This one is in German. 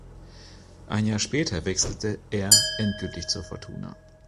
Ein Jahr später wechselte er endgültig zur Fortuna.